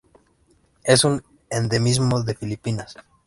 Es un endemismo de Filipinas.